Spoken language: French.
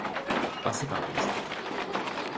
Passer par Brest.